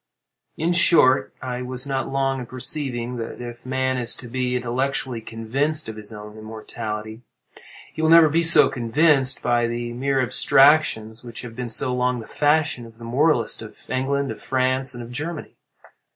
In short, I was not long in perceiving that if man is to be intellectually convinced of his own immortality, he will never be so convinced by the mere abstractions which have been so long the fashion of the moralists of England, of France, and of Germany.